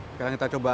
sekarang kita coba